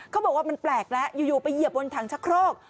เขาบอกว่ามันแปลกแล้วอยู่ไปเหยียบบนถังชะโครก